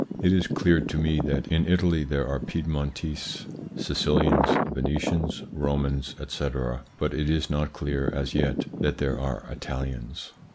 It is clear to me that in Italy there are Piedmontese, Sicilians, Venetians, Romans, etc., but it is not clear as yet that there are Italians.